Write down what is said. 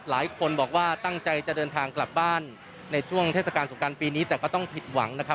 หลายคนบอกว่าตั้งใจจะเดินทางกลับบ้านในช่วงเทศกาลสงการปีนี้แต่ก็ต้องผิดหวังนะครับ